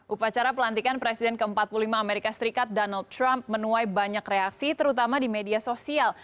upacara pelantikan presiden ke empat puluh lima amerika serikat donald trump menuai banyak reaksi terutama di media sosial